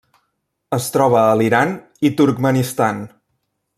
Es troba a l'Iran i Turkmenistan.